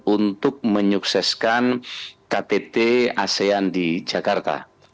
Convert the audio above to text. untuk menyukseskan ktt asean di jakarta